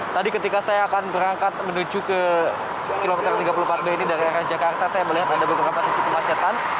tadi ketika saya akan berangkat menuju ke kilometer tiga puluh empat b ini dari arah jakarta saya melihat ada beberapa titik kemacetan